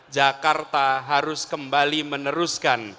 jakarta harus kembali meneruskan